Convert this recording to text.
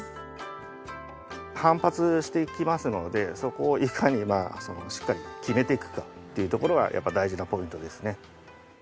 反発してきますのでそこをいかにしっかり決めていくかっていうところがやっぱり大事なポイントですね。